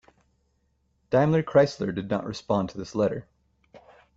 DaimlerChrysler did not respond to this letter.